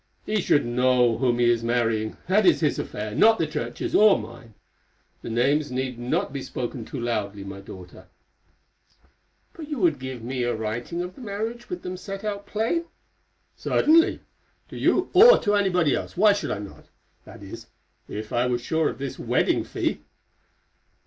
"He should know whom he is marrying; that is his affair, not the Church's or mine. The names need not be spoken too loudly, my daughter." "But you would give me a writing of the marriage with them set out plain?" "Certainly. To you or to anybody else; why should I not?—that is, if I were sure of this wedding fee."